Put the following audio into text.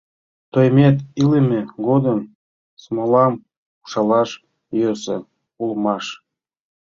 Тоймет илыме годым смолам ужалаш йӧсӧ улмаш.